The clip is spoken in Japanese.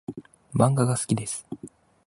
漫画が好きです。